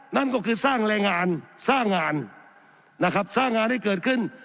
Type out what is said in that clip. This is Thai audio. นั่นก็คือสร้างแรงงานสร้างงานนะครับสร้างงานให้เกิดขึ้น